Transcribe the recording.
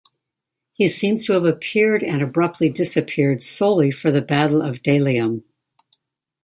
He seems to have appeared and abruptly disappeared solely for the Battle of Delium.